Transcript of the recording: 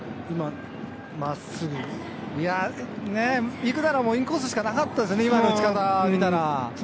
今のは真っすぐ、行くならインコースしかなかったですよね、今の打ち方を見たら。